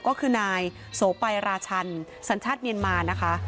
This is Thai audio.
ก็คือนายโสไปราชันสัญชาติเมียนมานะคะ